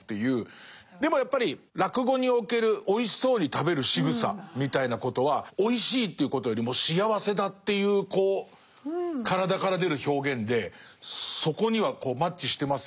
でもやっぱり落語におけるおいしそうに食べるしぐさみたいなことはおいしいということよりも幸せだっていうこう体から出る表現でそこにはマッチしてますよね。